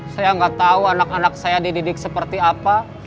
saya nggak tahu anak anak saya dididik seperti apa